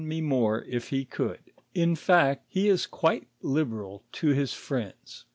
me more, if he could. In fact, he is quite liberal to his friends.